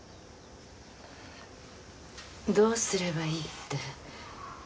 どうすればいいって。